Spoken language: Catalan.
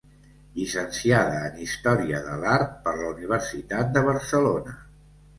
Llicenciada en Història de l'Art per la Universitat de Barcelona.